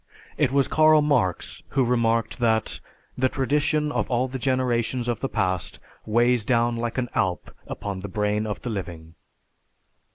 It was Karl Marx who remarked that, "The tradition of all the generations of the past weighs down like an Alp upon the brain of the living."